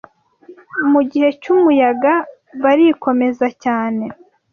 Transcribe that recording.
mu gihe cyumuyaga barikomeza cyane